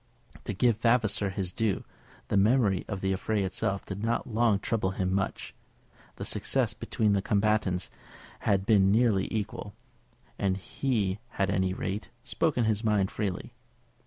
To give Vavasor his due, the memory of the affray itself did not long trouble him much. The success between the combatants had been nearly equal, and he had, at any rate, spoken his mind freely.